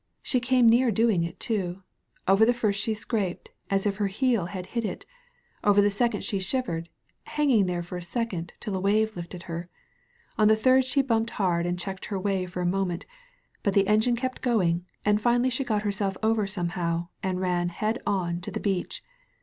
She came near doing it, too. Over the first she scraped, as if her heel had hit it. Over the second she shivered, hanging there for a second till a wave lifted her. On the third she bumped hard and checked her way for a moment, but the engine kept going, and finally she got herself over somehow and ran head on to the beach.